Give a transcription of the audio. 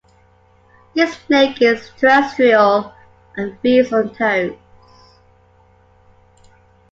This snake is terrestrial and feeds on toads.